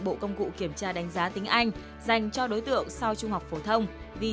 bộ công cụ kiểm tra đánh giá tiếng anh dành cho đối tượng sau trung học phổ thông